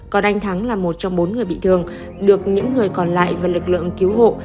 còn anh thắng là một trong bốn người bị thương được những người còn lại và lực lượng cứu hộ